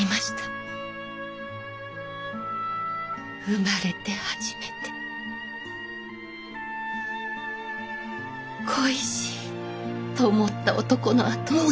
生まれて初めて恋しいと思った男の後を。